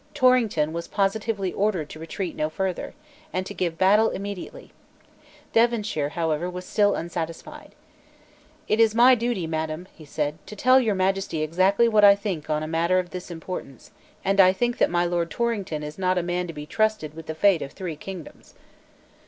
Torrington was positively ordered to retreat no further, and to give battle immediately. Devonshire, however, was still unsatisfied. "It is my duty, Madam," he said, "to tell Your Majesty exactly what I think on a matter of this importance; and I think that my Lord Torrington is not a man to be trusted with the fate of three kingdoms."